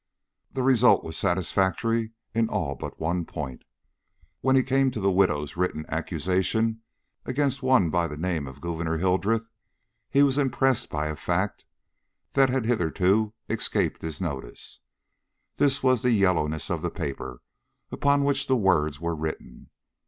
The result was satisfactory in all but one point. When he came to the widow's written accusation against one by the name of Gouverneur Hildreth, he was impressed by a fact that had hitherto escaped his notice. This was the yellowness of the paper upon which the words were written.